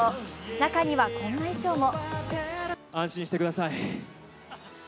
中には、こんな衣装も。